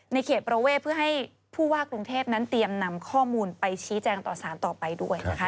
เขตประเวทเพื่อให้ผู้ว่ากรุงเทพนั้นเตรียมนำข้อมูลไปชี้แจงต่อสารต่อไปด้วยนะคะ